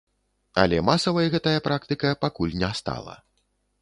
Але масавай гэтая практыка пакуль не стала.